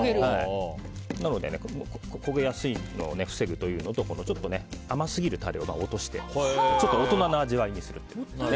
なので焦げやすいのを防ぐというのとちょっと甘すぎるタレを落として大人な味わいにするという。